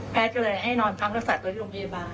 แพทย์ก็เลยให้นอนพร้อมรักษาตัวที่โรงพยาบาล